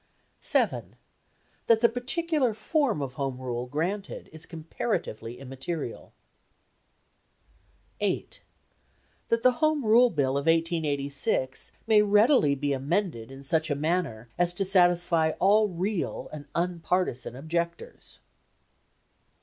7. That the particular form of Home Rule granted is comparatively immaterial. 8. That the Home Rule Bill of 1886 may readily be amended in such a manner as to satisfy all real and unpartisan objectors.